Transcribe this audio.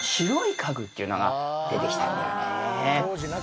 ていうのが出てきたんだよね。